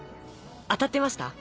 当たってました？